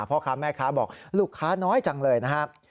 พ่อค้าแม่ค้าบอกลูกค้าน้อยจังเลยนะครับ